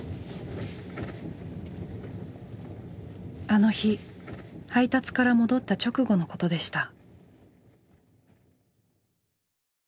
あの日配達から戻った直後のことでした。